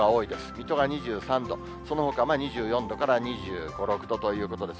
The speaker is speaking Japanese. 水戸が２３度、そのほか２４度から２５、６度ということです。